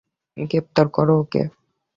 গ্রেপ্তার করো ওকে!